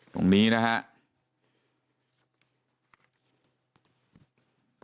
ตรงนี้นะครับ